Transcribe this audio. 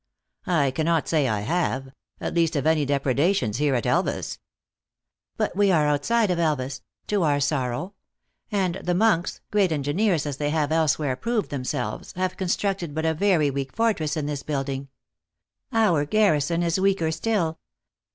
" I cannot say I have at least of any depredations here at Elvas." " But we are outside of Elvas to our sorrow ; and the monks, great engineers as they have elsewhere proved themselves, have constructed but a very weak fortress in this building. Our garrison is weaker still.